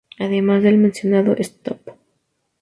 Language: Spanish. Además del mencionado "Stop!